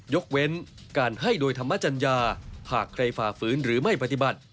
ยกเว้นการให้โดยธรรมจัญญาหากใครฝ่าฝืนหรือไม่ปฏิบัติ